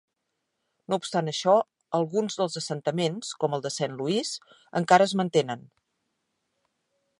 No obstant això, alguns dels assentaments, com el de Saint Louis, encara es mantenen.